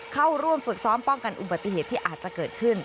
เข้าร่วมฝึกซ้อมป้องกันอุบัติเหตุที่อาจจะเกิดขึ้น